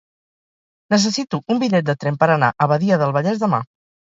Necessito un bitllet de tren per anar a Badia del Vallès demà.